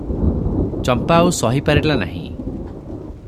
ଚମ୍ପା ଆଉ ସହି ପାରିଲା ନାହିଁ ।